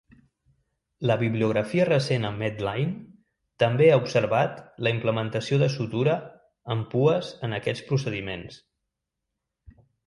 La bibliografia recent a Medline, també ha observat la implementació de sutura amb pues en aquests procediments.